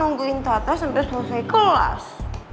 nungguin toto sampai selesai kelas